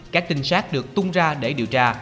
các tình xác được tung ra để điều tra